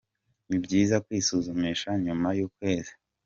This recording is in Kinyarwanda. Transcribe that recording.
Nibyiza kwisuzumisha nyuma y'ukwezi.